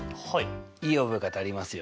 いい覚え方ありますよ。